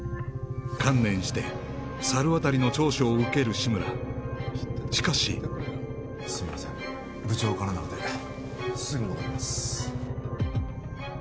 観念して猿渡の聴取を受ける志村しかしすいません部長からなのですぐ戻ります